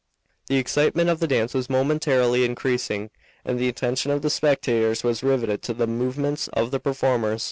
The excitement of the dance was momentarily increasing, and the attention of the spectators was riveted to the movements of the performers.